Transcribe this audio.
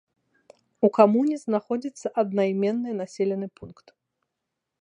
У камуне знаходзіцца аднайменны населены пункт.